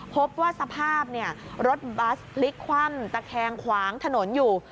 พบว่าสภาพรถบัสพลิกคว่ำตะแคงขวางถนนอยู่